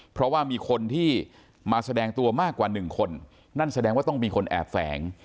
เพราะว่ามีคนที่มาแสดงตัวมากกว่าหนึ่งคนนั่นแสดงว่าต้องมีคนแอบแฝง